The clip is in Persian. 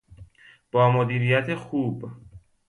با مدیریت خوب